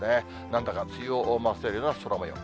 なんだか梅雨を思わせるような空もよう。